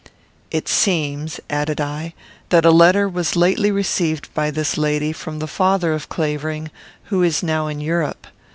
"It seems," added I, "that a letter was lately received by this lady from the father of Clavering, who is now in Europe.